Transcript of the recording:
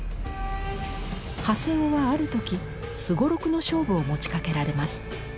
長谷雄はある時すごろくの勝負を持ちかけられます。